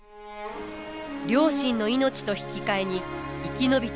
両親の命と引き換えに生き延びた瀬名。